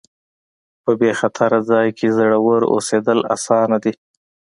په بې خطره ځای کې زړور اوسېدل اسانه دي.